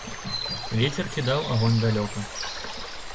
Вецер кідаў агонь далёка.